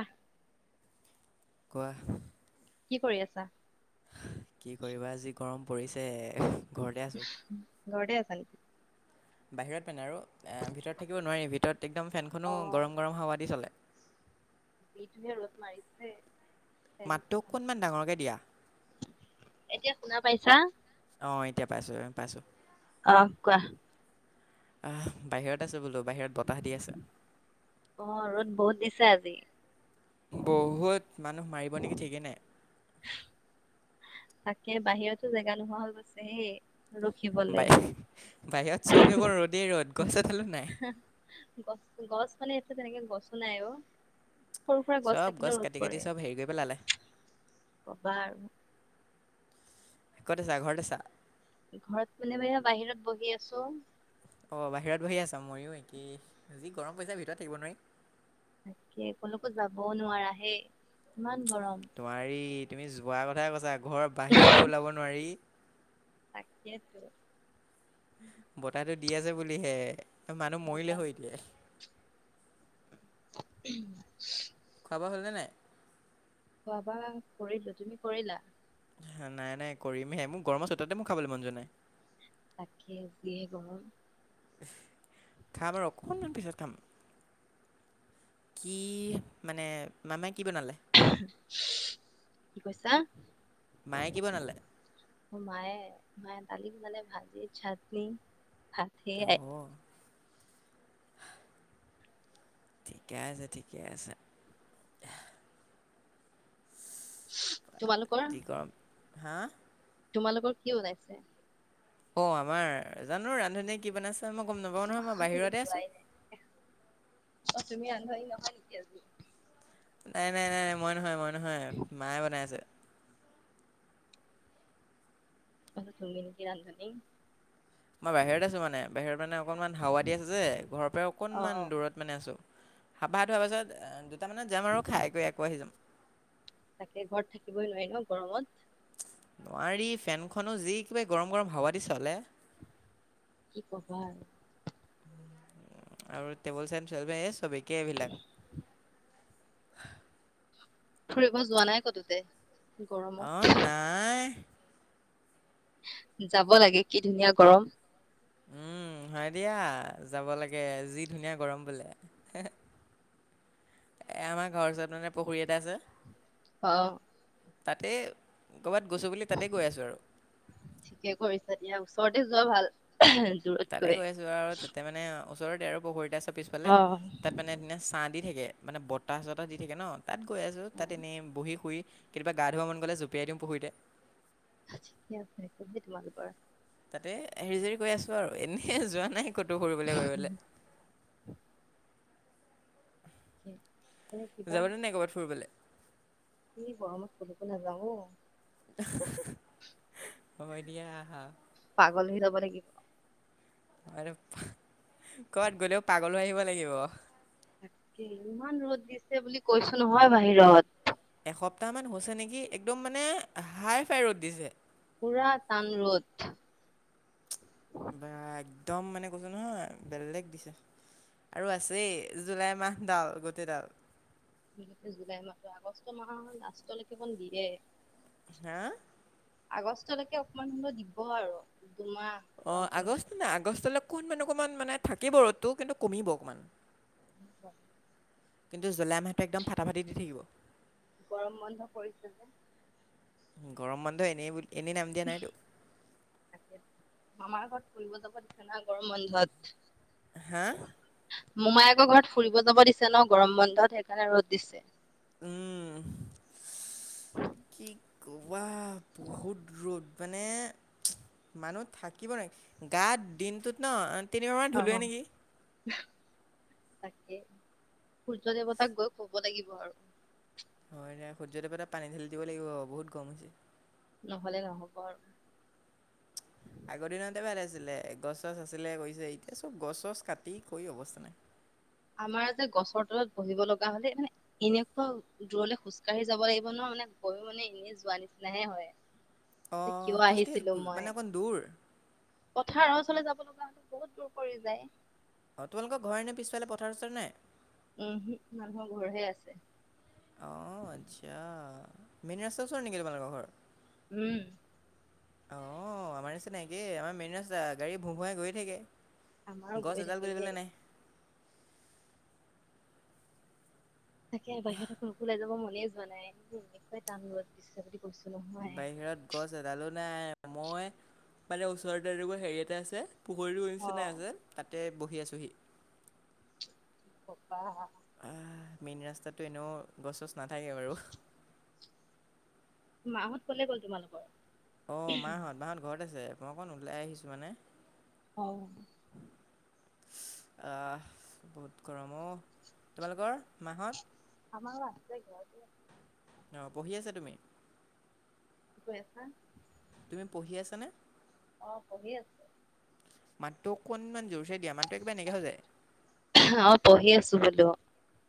আহ। কোৱা? কি কৰি আছা? কি কৰিবা আজি গৰম পৰিছে। ঘৰতে আছোঁ ঘৰতে আছা নেকি? বাহিৰত পেনে আৰু ভিতৰত থাকিব নোৱাৰি, ভিতৰত একদম ফেনখনো অ' গৰম, গৰম হাৱা দি চলে। যিহে ৰ'দ মাৰিছে। ফেন মাতটো অকণমান ডাঙৰকে দিয়া। এতিয়া শুনা পাইছা? অহ, এতিয়া পাইছো-পাইছো। অ' কোৱা আহ, বাহিৰত আছে বোলো, বাহিৰত বতাহ দি আছে। অ' ৰ'দ বহুত দিছে আজি বহুত মানুহ মাৰিব নেকি ঠিকেই নাই। তাকে বাহিৰতো জেগা নোহোৱা হৈ গৈছে হেই ৰখিবলে বাই বাহিৰত চব জোৰ ৰ'দেই, ৰ'দ গছলো নাই। গছ, গছ মানে এইটো তেনেকে গছো নাই অ'। সৰু, সুৰা গছ চব থাকিলেও ৰ'দ কাটি কাটি পৰে চব হেৰি কৰি পেলালে ক'বা আৰু। এককতেছা ঘৰতেছা ঘৰত কোনেবাই বাহিৰত বহি আছো। অ, বাহিৰত বহি আছা ময়ো একি যি গৰম পৰিছে ভিতৰত থাকিব নোৱাৰি। তাকে কোনকো যাবও নোৱাৰা হে ইমান গৰম তোমাৰ তুমি যোৱা কথাই কৈছা ঘৰ বাহিৰৰ বাবে ওলাব নোৱাৰি। তাকেইেতো। বতাহটো দি আছে বুলিহে মানুহ মৰিলে বতাহ হৈ দিয়ে। উম। খাবা হ'লেনে নাই। খোৱাবা কৰিলো তুমি কৰিলা? নাই, নাই, কৰিমহে মোৰ গৰমৰ চ, তাতে মোৰ খাবলৈ মন যোৱা নাই। তাকে যিহে গম খাম আৰু অকমান দিন পিছত খাম। কি মানে মামাই কি বনালে? কি কৈছা? মায়ে কি বনালে মায়ে, ম কালি বনালে ভাজি, চাটনি, ভাত সেইয়াই। অ' ঠিকে আছে, ঠিকে আছে। তোমালোকৰ? যি গৰম হা? তোমালোকৰ কি ওলাইছে? অ, আমাৰ জানো ৰান্ধনীয়ে কি বনাইছে? তই মই গম নাপাওঁ নহয় মই অ, তুমি বাহিৰতে আছো। আচমি আনভ ই নহ নক নাই, নাই, নাই, নাই, মই নহয়, মই নহয়, মায়ে বনাই আছে। অল তুমি নেকি ৰান্ধনী। মই বাহিৰত আছো, মানে বাহিৰত মানে অকনমান হাৱা দি আছে যে ঘৰৰ পৰা অ অকনমান দূৰত মানে আছো। সাবাত হোৱাৰ পাছত দুটামানত যাম আৰু খাই কৰিকৈ আকৌ আহি যাম। তাকে ঘৰত থাকিবই নোৱাৰি ন গৰমত। নোৱাৰি ফেনখনো যি কিবা গৰম, গৰম হাৱা দি চলে। কি কবাৰ আৰু টেবুল চেন, চ, চবকে এইবিলাক ফুৰিব যোৱা নাই ক'তোতে। অঁ গৰমত [unintelligible] নাই যাব লাগে কি ধুনীয়া গৰম। উম, হয় দিয়া যাব লাগে যি ধুনীয়া গৰম বোলে। এ, আমাৰ ঘৰ ওচৰতানে পুখুৰী এটা আছে। অ'। তাতে কৰ'বাত গৈছো বুলি তাতে গৈ আছো আৰু। চৰতে যোৱা ভাল। তাতে দূৰতকৈ গৈ আছো আৰু তাতে মানে ওচৰতে আৰু পহৰীত চব পিছফালে অ তাত মানে ধনা ছাঁ দি থাকে মানে বতাহ চতাহ দি থাকে ন। তাত গৈ আছোঁ। অ তাত এনেই বহি শুই কেতিয়া গা ধুৱ মন গ'লে জুপিয়াই দিওঁ পুখুৰীতে। ঠিকে আছে তোমাল পৰা তাতে হেৰিযৰি কৈ আছো আৰু এনেই যোৱা নাই ক'তো ফুৰিবলৈ উম, গৈলে। কি? যাব নে ক'বাত ফুৰিবলৈ। এই গৰমত কলৈকো নাযাওঁ অ'। ম দিয়া আহা। কব লাগিব। ক'তবাত গলেও পাগল হৈ আহিব লাগিব। তাকে ইমান ৰ'দ দিছে বুলি কৈছো নহয় বাহিৰত। এসপ্তাহ মান হৈছে নেকি একদম মানে হাই ফাই ৰ'দ দিছে। পুৰা টান ৰ'দ। বা একদম মানে কৈছো নহয় বেলেগ দিছে। আৰু আছেই জুলাই মাহ ডাল গোটেই ডাল। গ জুলাই মাহৰ আগষ্ট মাহ লাষ্টলৈকে কন দিয়ে। হা। আগষ্টলৈকে অকমান সময় দিব আৰু। দুমাহ অ', কন্টিনিউ। আগষ্ট নাই আগষ্টলৈ অকণমান অকণমান মানে থাকিব ৰ'দো কিন্তু কমিব অকণমান। উ [unintelligible] কিন্তু জুলাই মাহটো একদম ফাটাফাটি দি থাকিব। গৰম বন্ধ পৰিছে যে। গৰমবন্ধ এনে বুলি এনেই নাম দিয়া নাইতো। তাকে মামাৰ ঘৰত ফুৰিব যাব দিছে না গৰম বন্ধত। হা। মোমায়েকৰ ঘৰত ফুৰিব যাব দিছে ন গৰম বন্ধত সেইকাৰণে ৰ'দ দিছে। উম গোৱা বহুত ৰ'দ। মানে মানুহ থাকিব নেকি গাত দিনটোত ন তিনি বাৰ মান ধুলোৱে নেকি। তাকেই সূৰ্য দেৱতাক গৈ ক'ব লাগিব আৰু। হয়, য়া সূৰ্য্য দেৱতা এটা পানী ঢালি দিব লাগিব বহুত গৰম হৈছে। নহলে নহ'ব আৰু। আগৰ দিনতে ভাল আছিলে গছ চছ আছিলে কৈছে এতিয়া চব গছ চছ কাটি কৈ অৱস্থা নাই। আমাৰ যে গছৰ তলত বহিব লগা হ'লে মানে এনেকোৱা দূৰলে খোজ কঢ়ি যাব লাগিব ন মানে গৈ মানে এনেই যোৱা নিচিনাহে হয়। অঁ কিয় খোজকাঢ়ি আহিছিলো গো- মই মানে অকণ দূৰ পথাৰৰ ওচলৈ যাব [unintelligible] বহুত দূৰ কৰি যায়। অ', তোমালোকৰ ঘৰ এনে পিছফালে পথাৰ চথাৰ নাই। উমহো মানুহৰ ঘৰহে আছে। আহ আচ্ছা মেইন ৰাস্তাৰ ওচৰত নেকি তোমালোকৰ ঘৰত। উম। অ', আমাৰ নিচিনা একে আমাৰ মেইন ৰাস্তা গাড়ী ভো ভোুৱাই গৈয়ে থাকে। আমাৰো গছ গৈ এডাল থাকে হেই কৰিবলৈ নাই। তাকে বাহিৰত আকৌ ওলাই যাব মনেই যোৱা নাই এ এনেকুৱাই টান ৰ'দত দিছে বুলি। কৈছো নহয় বাহিৰত গছ এডালো নাই মই মানে ওচৰতে একো হেৰি এটা আছে। পুখৰীৰ অ নিচিনাই আছে তাতে বহি আছোহি। কি ক'বা। আহ মেইন ৰাস্তাতটো এনেও গছ চছ নাথাকে বাৰু। মাহত ক'লে গ'ল তোমালোকৰ। অ', মা হ'ত মা হ'ত ঘৰত আছে মই অকণ ওলাই আহিছো মানে। অ'। আহ, বহুত গৰম অ', তোমালোকৰ মা হ'ত। আমা [unintelligible] ঘৰতে [unintelligible] অ', পঢ়ি আছা তুমি? কি কৈ আছা? তুমি পঢ়ি আছানে? অ', পঢ়ি আছোঁ। মাতটো অকনমান য অ', পঢ়ি আছোঁ বোলোঁ।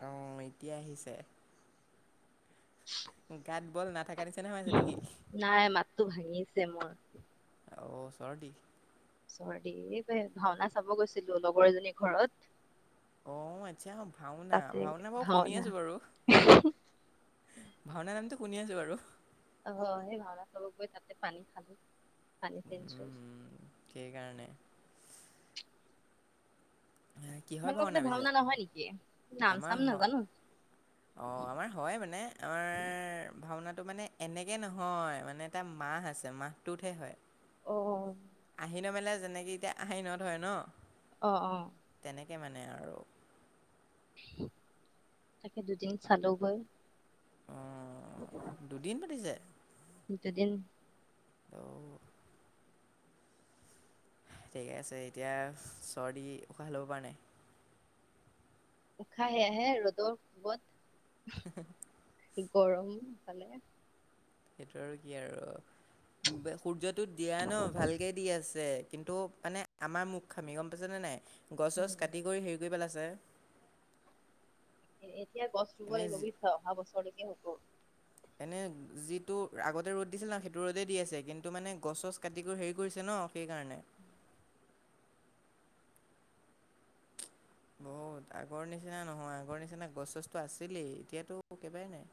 অ', এতিয়া আহিছে। গাত বল নাথাকা নিচ নাই মাতটো ভাঙিঁছে মোৰ। অ', চৰ্দি। চৰ্দি এই যে ভাওঁনা চাব গৈছিলোঁ লগৰ এজনী ঘৰত। অ', আচ্ছা ভাওঁনা তাতে ভাওঁনা বাৰু শুনি ভাওনা আছোঁ বাৰু। ভাওঁনা নামটো শুনি আছোঁ বাৰু। অ', সেই ভাওঁনা চাব গৈ তাতে পানী খালোঁ। পানী চেঞ্জ হ'ল। উম, সেইকাৰণে এ, কিহৰ তোমালোকৰ ভাওঁনা ফালে পিছে? ভাওনা নহয় নেকি নাম আমাৰ চাম হ' নাজানো অ', আমাৰ হয় মানে আমাৰ ভাওঁনাত মানে এনেকে নহয়। মানে এটা মাহ আছে মাহটোতহে হয়। অ আহিন মেলা যেনেকে এতিয়া আহিনত হয় ন। অ', অ'। কে মানে আৰু। তাকে দুদিন চালোঁগৈ। অ', দুদিন পাতিছে। দুদিন। অ'। ঠিকে আছে। এতিয়া চৰ্দি উশাহ ল'ব পৰা নাই। উশাহ এয়াহে ৰ'দৰ কোবত [unintelligible] গৰম ফালে সেইটো আৰু কি আৰু। বে সূৰ্যটোত দিয়া ন ভালকে দি আছে। কিন্তু মানে আমাৰ মুৰ্খামি গম পাইছ নে নাই? গছ চছ উম কাটি কৰি হেৰ [unintelligible] পেলাইছে। এ, এতিয়া গছ ৰুঁব এনে লাগিব যি- বুইছ অহা বছৰলৈকে হ'ব এনে যিটো ৰা আগতে ৰ'দ দিছিল না সেইটো ৰ'দে দি আছে, কিন্তু মানে গছ চছ কাটি কৰি হেৰি কৰিছে ন অ', সেইকাৰণে [unintelligible] বহুত আগৰ নিচিনা নহয় আগৰ নিচিনা গছ চছটো আছিলেই, এতিয়াতোঁ একেবাৰে নাই।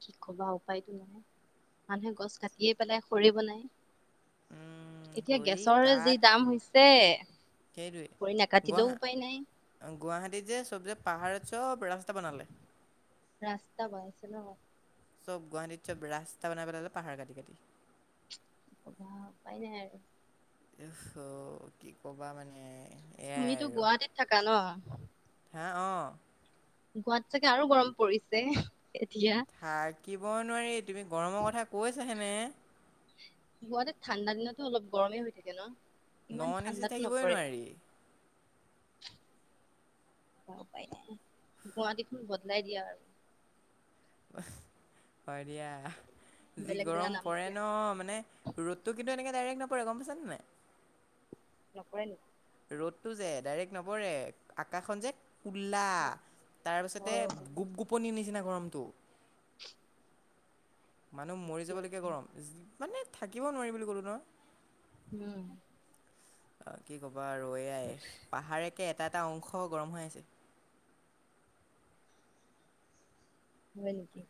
কি ক'বা উপায় টো নাই। মানুহে গছ কাটিয়ে পেলাই সৰি বনায়। উম, এতিয়া খৰি গেছৰে যি কাঠ দাম হৈছে। কৰি সেইটোৱে নাকাটিলেও গুৱাহা উপায় নাই আ গুৱাহাটীত যে চব যে পাহাৰত চব ৰাস্তা বনালে। ৰাস্তা বাইছে ন? চব গুৱাহাটীত চব ৰাস্তা বনাই পেলালে পাহাৰ কাটি কাটি। কি ক'বা উপায় নাই আৰু। উফ, অ', কি ক'বা মানে। এয়াই তুমিতোঁ আৰু গুৱাহাটীত থাকা ন? হা অ'। গোৱাঁত চাগে আৰু গৰম পৰিছে। এতিয়া থাকিবই নোৱাৰি তুমি গৰম কথা কৈছা হে নে? গুৱাহাটি ঠাণ্ডা দিনতো অলপ গৰমেই হৈ থাকে ন। ইমান নন এ চি ঠাণ্ডাতো থাকিবই নপৰে। নোৱাৰি গ, পাই গুৱাহাটীখন বদলাই দিয়া আৰু। [inaudible] হয় দিয়া যি বেলেগ জেগা গৰম নাম পৰে দিয়া ন মানে ৰ'দটো কিন্তু এনেকে ডাইৰেক্ট নপৰে গম পাইছা নে নাই। নকয় নেকি। ৰ'দটো যে ডাইৰেক্ট নবৰে আকাশখন যে কল্লা অ তাৰপিছতে গোপ-গোপনী নিচিনা গৰমটো। মানুহ মৰি অকে। যাবলৈকীয়া গৰম মানে থাকিব নোৱাৰিম বুলি কলো নহ। উম। আহ কি কবা ৰৈয়াই পাহাৰকে এটা, এটা অংশ গৰম হৈ আছে। হয়, নেকি।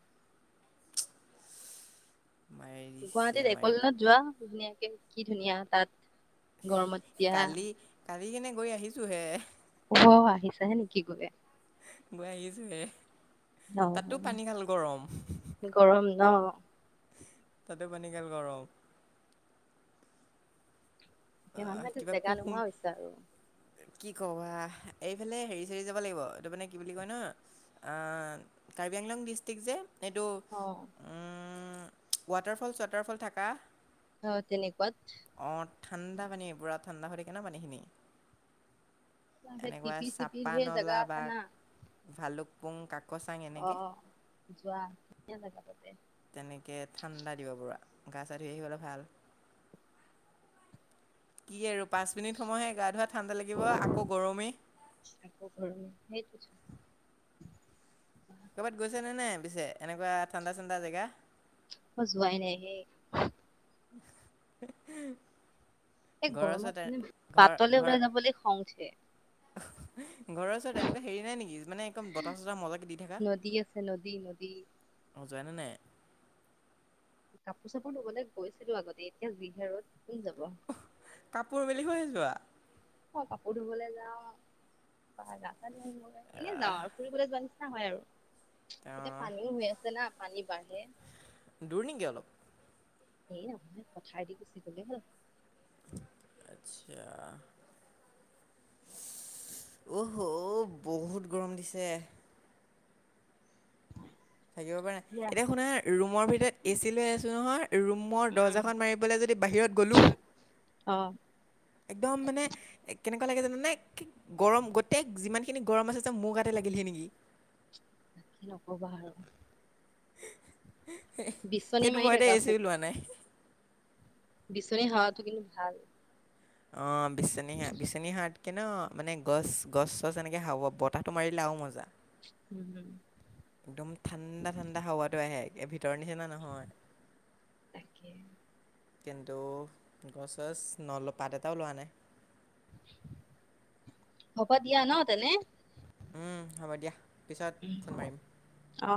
মাৰিছে গুৱাহাটীত মাৰি একলেনত যোৱা ধুনীয়াকে কি ধুনীয়া তাত গৰমত দিয়া। কালি কালি কেনে গৈ আহিছোঁহে। আহিছাহে নেকি গৈ। গৈ আহিছো হে। অ, গৰম ন। [unintelligible] মানুহ কিবা জেগা কুহুম নোহোৱা হৈছে আৰু। কি, কবা এইফালে হেৰি, চেৰি যাব লাগিব এইটো মানে কি বুলি কয় ন আহ কাৰ্বি-আংলং ডিষ্ট্ৰিক্ট যে এইটো অ উম, ৱাটাৰ ফলছ ৱাটাৰ ফল থাকা অ, তেনেকুৱাত ঠাণ্ডা পানী পুৰা ঠাণ্ডা হ কে ন পানীখিনি সেই এনেকুৱা টিপি চিপিৰ চাপা সেই জেগা নলা আছে বা না ভালুকপুং কাক অ, যোৱা ধুন জা তাতে তেনেকে ঠাণ্ডা দিব পুৰা গা ধুই আহিবলৈ ভাল। কি আৰু পাঁচ মিনিট সময়হে গা ধোৱা ঠাণ্ডা লাগিব আকৌ গৰমেই। সেইটো। [inaudible] ক'বাত গৈছা নে নাই পিছে এনেকুৱা ঠাণ্ডা, ঠাণ্ডা জেগা। যোৱাই নাই সেই [inaudible] এই ঘৰৰ ওচৰত গৰমত এ- মানে ঘৰ বাটলে ঘৰ ওলাই যাবলৈ খং উঠে। ঘৰৰ ওচৰত এনেকুৱা হেৰি নাই নেকি মানে একদম বতাহ, চতাহ মজাকে দি থাকা। নদী আছে নদী [inaudible] নাই। কাপোৰ, চাপোৰ লবলৈ গৈছিলোঁ আগতে এতিয়া বিহাৰত কাপোৰ মেলি শুই আহিছোৱা। অ, কাপোৰ ধুবলৈ যাও প গা এনে যাও আহ, আৰু ফুৰিবলৈ যোৱা নি হয় আৰু তেওঁ এতিয়া পানীও হৈ আছে না পানী বাঢ়ে। দূৰ নেকি অলপ। এ, নহয় পথাৰেদি গুচি গলে হ'ল। আচ্ছা। হ, বহুত গৰম দিছে। থাকিব পাৰো নাই দিয়া এতিয়া শুনা ৰুমৰ ভিতৰত এ চি লৈ আছো নহয় ৰুমৰ উম দৰ্জাখন মাৰিবলৈ যদি বাহিৰত গ'লো। অ'। একদম মানে কেনেকুৱা লাগে জানে গৰম গোটেই যিমানখিনি গৰম আছে যে মোৰ গাতে লাগিলহি নেকি বাকী নকবা আৰু বিচনী সেইটো মাৰি ভয়তে এ থকা চিও থাকা। লোৱা নাই বিচনী হাৱা টো কিন্তু ভাল। অ বিছিনিহ বিছিনিহা কি ন মানে গছ গছ চছ এনেকে খাব বতাহটো মাৰিলে আৰুও মজা উম হম একদম ঠাণ্ডা ঠাণ্ডা হাৱা টো আহে এ ভিতৰত ভিতৰৰ নিচিনা নহয় তাকে কিন্তু গছ গছ নল পাত এটাও লোৱা নাই ভাপত দিয়া ন তেনে হ'ব দিয়া পিছত ফোন মাৰিম অ